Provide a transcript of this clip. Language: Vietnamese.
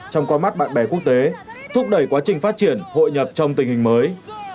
trong qua mắt bạn bè quốc tế thúc đẩy quá trình phát triển hội nhập trong tình hình mới